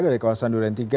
dari kawasan duran tiga